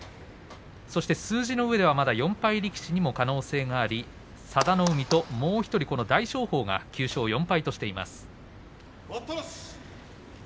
数字のうえでは４敗の力士にも可能性があり佐田の海と大翔鵬が４敗としています。